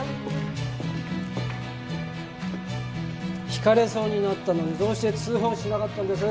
ひかれそうになったのにどうして通報しなかったんです？